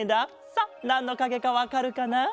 さあなんのかげかわかるかな？